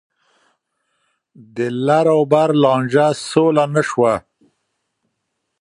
د لر او بر لانجه سوله نه شوه.